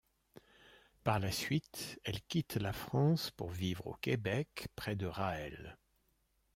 Par la suite elle quitte la France pour vivre au Québec près de Raël.